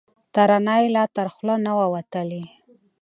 ترانه یې لا تر خوله نه وه وتلې